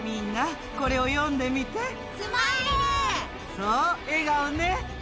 そう、笑顔ね。